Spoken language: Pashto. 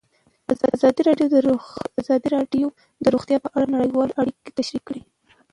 ازادي راډیو د روغتیا په اړه نړیوالې اړیکې تشریح کړي.